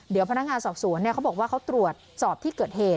เดี๋ยวพนักงานสอบสวนเขาบอกว่าเขาตรวจสอบที่เกิดเหตุ